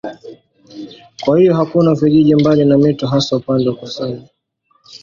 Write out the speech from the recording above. Kwa hiyo hakuna vijiji mbali na mito hasa upande wa kusini.